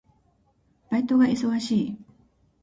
バイトが忙しい。